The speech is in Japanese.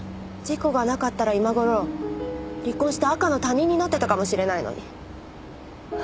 事故がなかったら今頃離婚して赤の他人になってたかもしれないのに。